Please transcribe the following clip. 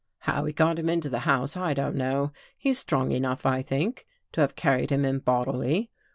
" How he got him into the house, I don't know. He's strong enough, I think, to have carried him in bodily.